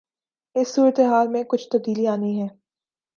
اس صورتحال میں کچھ تبدیلی آنی ہے۔